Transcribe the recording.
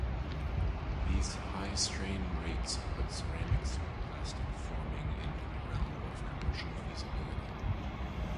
These high strain rates put ceramic superplastic forming into the realm of commercial feasibility.